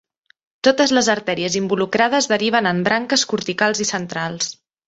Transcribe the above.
Totes les artèries involucrades deriven en branques corticals i centrals.